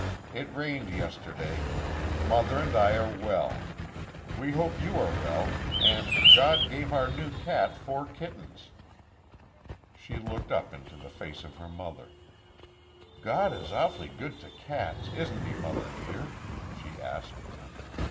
"It rained yesterday. Mother and I are well. We hope you are well and God gave our new cat four kittens." She looked up into the face of her mother. "God is awfully good to cats, isn't He, mother dear?" she asked.